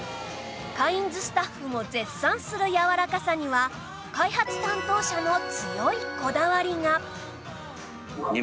カインズスタッフも絶賛するやわらかさには開発担当者の強いこだわりが